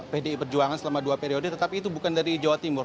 pdi perjuangan selama dua periode tetapi itu bukan dari jawa timur